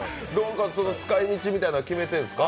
使い道みたいなのは決めてるんですか？